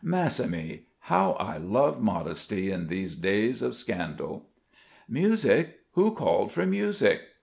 "Mass o' me, how I love modesty in these days of scandal!" "Music? Who called for music?"